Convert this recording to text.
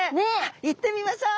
行ってみましょう！